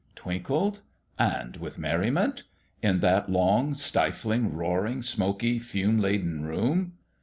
Twinkled ? and with merriment ? in that long, stifling, roaring, smoky, fume laden room